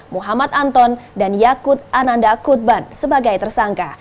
muhammad anton dan yakut ananda kutban sebagai tersangka